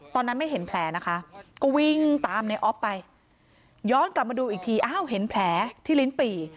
ตอนนั้นไม่เห็นแผลนะคะก็วิ่งตามในออฟไปย้อนกลับมาดูอีกทีอ้าวเห็นแผลที่ลิ้นปี่